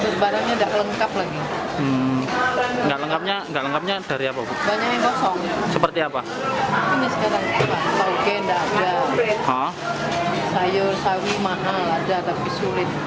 sekarang di bawang kek tidak ada sayur sayur mahal ada tapi sulit